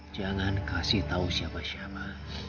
jangan kasih tahu siapa siapa